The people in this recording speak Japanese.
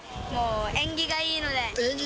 縁起がいいので。